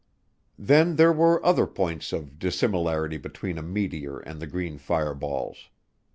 Then there were other points of dissimilarity between a meteor and the green fireballs.